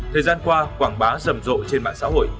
thời gian qua quảng bá rầm rộ trên mạng xã hội